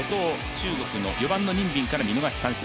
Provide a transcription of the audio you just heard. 中国の４番の任敏から見逃し三振。